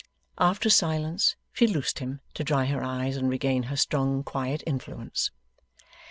After a silence, she loosed him, to dry her eyes and regain her strong quiet influence.